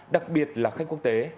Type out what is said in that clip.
đặc biệt là khách quốc tế